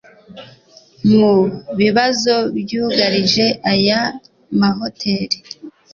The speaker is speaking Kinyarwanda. Mu bibazo byugarije aya mahoteli